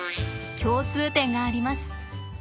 共通点があります。